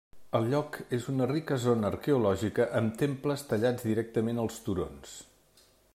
El lloc és una rica zona arqueològica, amb temples tallats directament als turons.